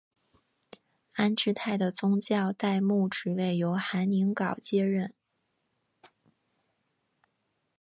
安治泰的宗座代牧职位由韩宁镐接任。